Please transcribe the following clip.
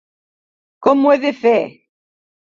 Com ho he de fer?